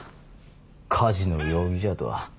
火事の容疑者とは。